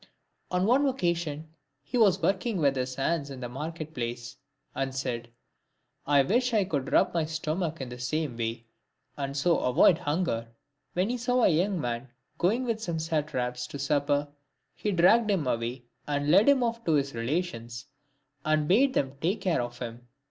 On one occasion he was working with his hands in the market place, and said, " I wish I could rub my stomach in the same way, and so avoid hunger." When he saw a young man going with some satraps to supper, he dragged him away and led him off to his relations, and bade them take care of him.